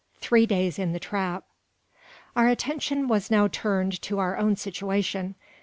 THREE DAYS IN THE TRAP. Our attention was now turned to our own situation.